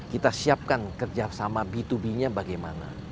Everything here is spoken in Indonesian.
kita siapkan kerja sama b dua b nya bagaimana